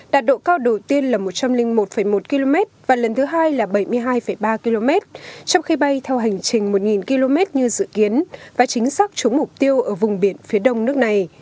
đạt độ cao đầu tiên là một trăm linh một một km và lần thứ hai là bảy mươi hai ba km trong khi bay theo hành trình một km như dự kiến và chính xác chống mục tiêu ở vùng biển phía đông nước này